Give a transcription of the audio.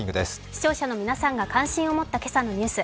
視聴者の皆さんが感心を持った今朝のニュース